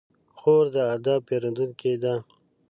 خور د ادب پېرودونکې ده.